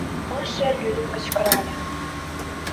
— Маша лӱдын кычкырале.